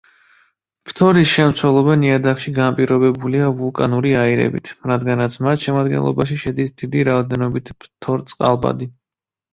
ფთორის შემცველობა ნიადაგში განპირობებულია ვულკანური აირებით, რადგანაც მათ შემადგენლობაში შედის დიდი რაოდენობით ფთორწყალბადი.